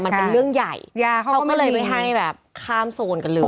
มันเป็นเรื่องใหญ่เขาก็เลยไม่ให้แบบข้ามโซนกันเลย